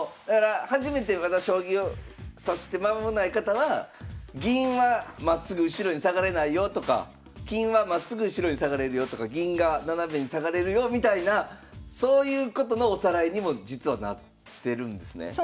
だから初めてまだ将棋を指して間もない方は銀はまっすぐ後ろに下がれないよとか金はまっすぐ後ろに下がれるよとか銀が斜めに下がれるよみたいなそういうことのおさらいにも実はなってるんですね。